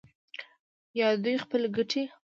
یا دوی خپلې ګټې